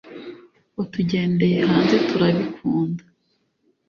watugendeye hanze turabikunda